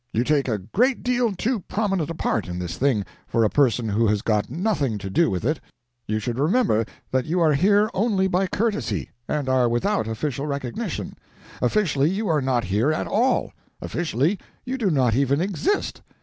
You take a great deal too prominent a part in this thing for a person who has got nothing to do with it. You should remember that you are here only by courtesy, and are without official recognition; officially you are not here at all; officially you do not even exist.